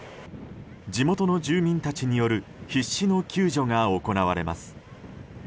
地元の住民たちによる必死の救助が行われます。